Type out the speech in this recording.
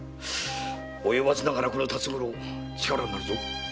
及ばずながらこの辰五郎力になるぞ。